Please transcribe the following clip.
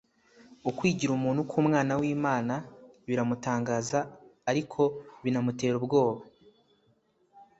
Ukwigira Umuntu k'Umwana w'Imana biramutangaza, ariko binamutera ubwoba.